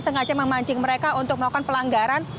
sengaja memancing mereka untuk melakukan pelanggaran